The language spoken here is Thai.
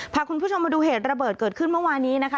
พาคุณผู้ชมมาดูเหตุระเบิดเกิดขึ้นเมื่อวานนี้นะคะ